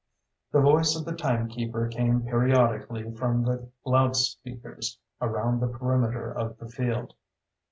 The voice of the timekeeper came periodically from the loudspeakers around the perimeter of the field.